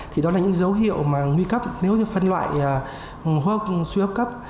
thì đó là những dấu hiệu nguy cấp nếu như phân loại hô hấp suy hấp cấp